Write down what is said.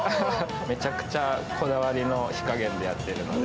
めちゃくちゃこだわりの火加減でやってるので。